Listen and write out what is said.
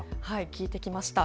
聞いてきました。